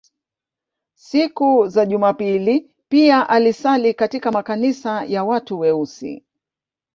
Siku za Jumapili pia alisali katika makanisa ya watu weusi